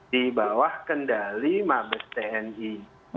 di bawah kendali mabes tni